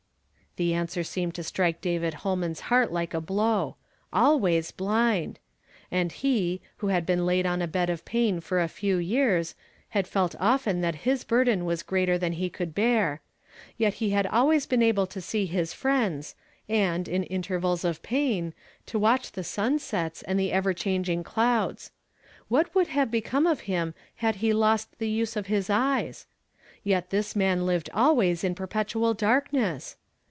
The answer seemed to strike David ITolman's heart like a blow. Always blind! Ar.d he, wlio had been laid on a bed of pain for a few }ears, had felt often that his burden was greater than he could bear; yet he had always bten able to see his friends, and, in intervals of pain, to watcli the sunsets and the ever changing clouds. What would have become of him had he lost the use of his eyes? Yet this man lived always in per petual darkness